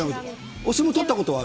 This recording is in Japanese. お相撲取ったことはある？